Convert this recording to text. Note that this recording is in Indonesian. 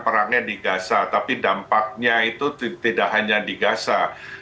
perangnya di gaza tapi dampaknya itu tidak hanya di gaza